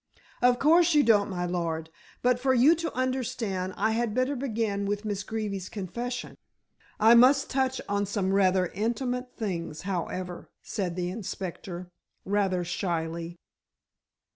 "Of course you don't, my lord. But for you to understand I had better begin with Miss Greeby's confession. I must touch on some rather intimate things, however," said the inspector rather shyly.